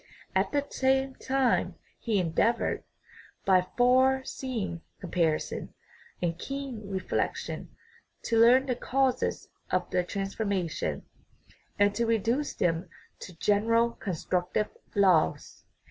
At the same time he endeavored, by far see ing comparison and keen reflection, to learn the causes of the transformation, and to reduce them to general constructive laws.